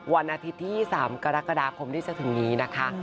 วันอาทิตย์ที่๓กรกฎาคมที่จะถึงนี้นะคะ